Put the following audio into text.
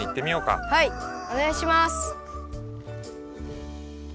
はいおねがいします。